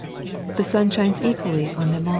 The sun shines equally on them ^."